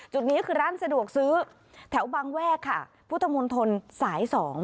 จุดนี้คือร้านสะดวกซื้อแถวบางแวกค่ะพุทธมนตรสาย๒